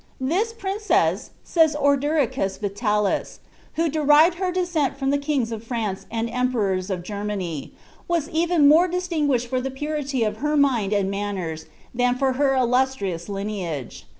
^ This princess,'' says Ordericus Vitalis, ^ who derived her descent from the kings of France and emperors of Germany, was even more distinguished for the purity of her mind and manners than for her illus trious lineage.